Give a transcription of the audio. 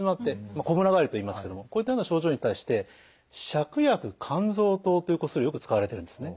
こむら返りといいますけどもこういったような症状に対して芍薬甘草湯というお薬よく使われてるんですね。